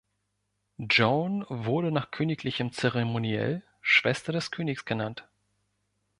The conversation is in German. Joan wurde nach königlichem Zeremoniell Schwester des Königs genannt.